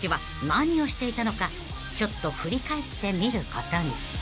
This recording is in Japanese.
［ちょっと振り返ってみることに］